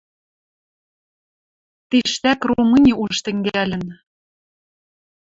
Тиштӓк Румыни уж тӹнгӓлӹн.